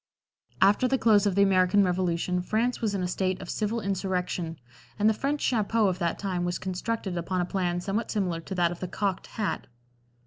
After the close of the American Revolution France was in a state of civil insurrection, and the French "chapeau" of that time was constructed upon a plan somewhat similar to that of the "cocked" hat.